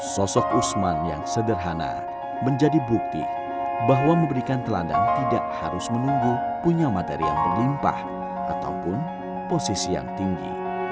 sosok usman yang sederhana menjadi bukti bahwa memberikan teladan tidak harus menunggu punya materi yang berlimpah ataupun posisi yang tinggi